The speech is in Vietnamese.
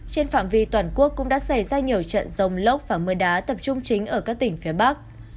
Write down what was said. trên phạm vi toàn quốc cũng đã xảy ra nhiều trận rồng lốc và mưa đá tập trung chính ở các tỉnh phía bắc